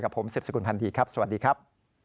กับผมเซฟสกุลพันธีครับสวัสดีครับ